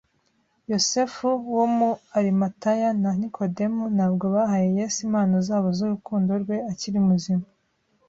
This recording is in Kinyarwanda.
Yosefi wo mu Arimataya na Nikodemu ntabwo bahaye Yesu impano zabo z'urukundo rwe akiri muzima